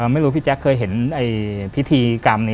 ไม่รู้พี่แจ๊กเคยเห็นพิธีกรรมนี้